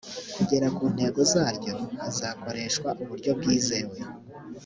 kugera ku ntego zaryo hazakoreshwa uburyo bwizewe